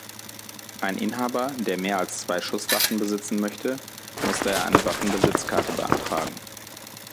Ein Inhaber, der mehr als zwei Schusswaffen besitzen möchte, muss daher eine Waffenbesitzkarte beantragen.